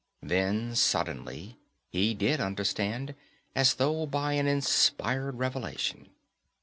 Then, suddenly, he did understand, as though by an inspired revelation.